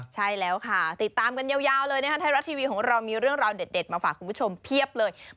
ใช่แล้วค่ะติดตามกันยาวเลยนะคะไทยรัฐทีวีของเรามีเรื่องราวเด็ดมาฝากคุณผู้ชมเพียบเลย